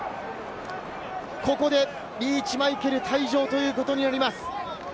ここでリーチ・マイケル、退場ということになります。